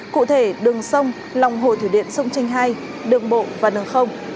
cụ thể đường sông lòng hồ thủy điện sông tranh hai đường bộ và đường không